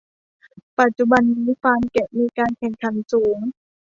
ปัจจุบันนี้ฟาร์มแกะมีการแข่งขันสูง